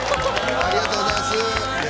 ありがとうございます。